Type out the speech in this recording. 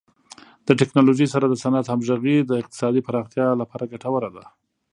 د ټکنالوژۍ سره د صنعت همغږي د اقتصادي پراختیا لپاره ګټوره ده.